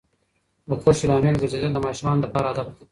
د خوښۍ لامل ګرځیدل د ماشومانو د پلار هدف دی.